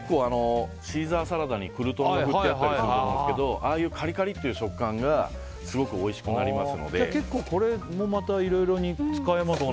結構シーザーサラダにクルトン入れてあったりすると思うんですけどああいうカリカリっていう食感が結構これもまたいろいろ使えますね。